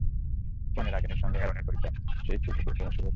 কনে রাগিনীর সঙ্গে অ্যারনের পরিচয় সেই স্কুল থেকেই, প্রেমের শুরুও তখন।